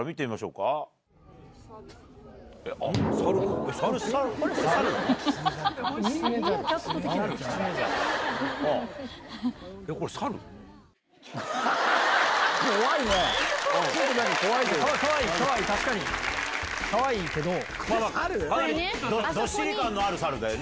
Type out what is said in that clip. かなりどっしり感のある猿だよね。